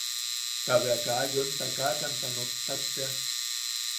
Ta bea kaa yoem takakamta nottak tea.